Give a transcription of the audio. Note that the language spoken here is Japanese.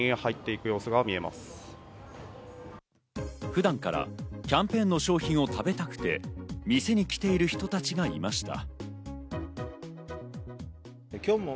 普段からキャンペーンの商品を食べたくて、店に来ている人たちがいました。